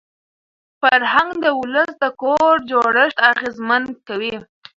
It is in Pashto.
فرهنګ د ولس د کور جوړښت اغېزمن کوي.